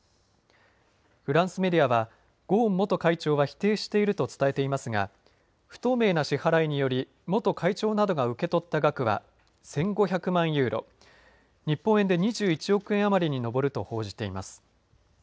フランスメディアはゴーン元会長は否定していると伝えていますが不透明な支払いにより元会長などが受け取った額は１５００万ユーロ日本円で２１億円あまりに上ると報じています。